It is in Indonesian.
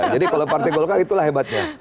jadi kalau partai golkar itulah hebatnya